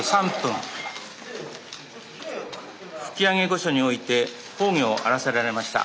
吹上御所において崩御あらせられました。